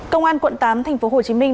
công an quận tám tp hồ chí minh